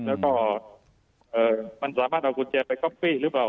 แล้วก็มันสามารถเอากุญแจไปก๊อฟฟี่หรือเปล่า